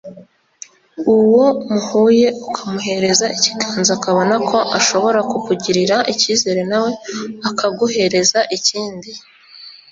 uwo muhuye ukamuhereza ikiganza akabona ko ashobora kukugirira ikizere nawe akaguhereza ikindi